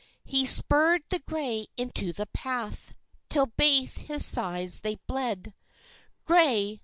He spurr'd the gray into the path, Till baith his sides they bled: "Gray!